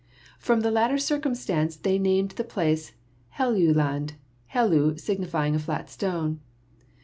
From the latter circumstance they named the place Helluland, hellu signifying" a flat stone.